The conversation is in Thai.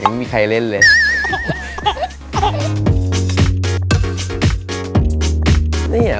ไม่มีใครเล่นเลย